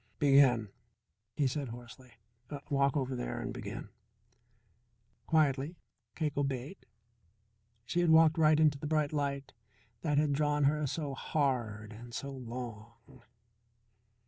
"Begin," he said hoarsely. "Walk over there and begin." Quietly Cake obeyed. She had walked right into the bright light that had drawn her so hard and so long.